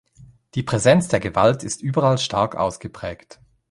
Die Präsenz der Gewalt ist überall stark ausgeprägt.